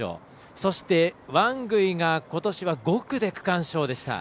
そして、ワングイがことしは５区で区間賞でした。